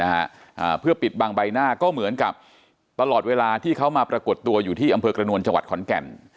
อ่าเพื่อปิดบังใบหน้าก็เหมือนกับตลอดเวลาที่เขามาปรากฏตัวอยู่ที่อำเภอกระนวลจังหวัดขอนแก่น